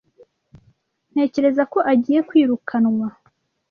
Ntekereza ko agiye kwirukanwa.